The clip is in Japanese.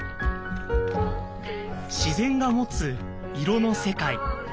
自然が持つ色の世界。